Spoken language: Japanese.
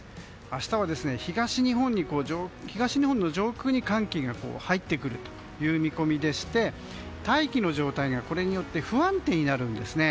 明日は、東日本の上空に寒気が入ってくる見込みでして大気の状態がこれによって不安定になりんですね。